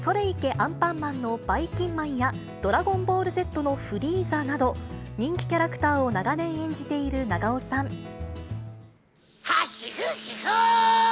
アンパンマンのばいきんまんやドラゴンボールＺのフリーザなど、人気キャラクターを長年演じている中尾さん。はひふへほ！